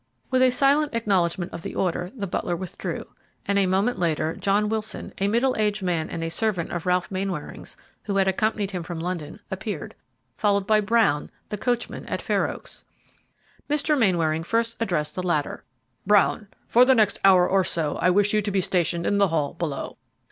With a silent acknowledgment of the order the butler withdrew, and a moment later, John Wilson, a middle aged man and a servant of Ralph Mainwaring's who had accompanied him from London, appeared, followed by Brown, the coachman at Fair Oaks. Mr. Mainwaring first addressed the latter. "Brown, for the next hour or so, I wish you to be stationed in the hall below.